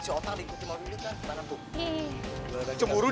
si otang diikuti mobilnya kan